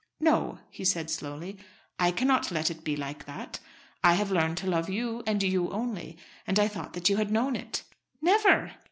"No," he said slowly, "I cannot let it be like that. I have learned to love you and you only, and I thought that you had known it." "Never!"